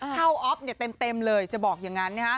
ออฟเต็มเลยจะบอกอย่างนั้น